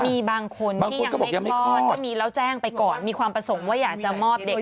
มีบางคนที่ยังไม่คลอดก็มีแล้วแจ้งไปก่อนมีความประสงค์ว่าอยากจะมอบเด็ก